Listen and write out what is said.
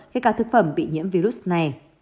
kể cả thực phẩm bị nhiễm virus này